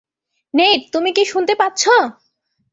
Neat, তুমি কি শুনতে পাচ্ছ?